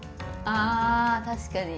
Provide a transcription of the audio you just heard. あ確かに。